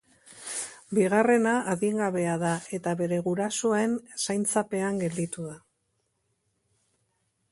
Bigarrena adingabea da eta bere gurasuen zaintzapean gelditu da.